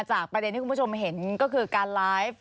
ประเด็นที่คุณผู้ชมเห็นก็คือการไลฟ์